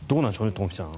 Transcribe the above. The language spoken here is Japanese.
東輝さん。